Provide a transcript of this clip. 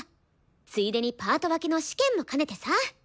ついでにパート分けの試験も兼ねてさ！